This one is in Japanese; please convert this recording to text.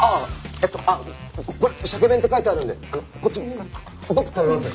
えっとこれ鮭弁って書いてあるのでこっち僕食べます。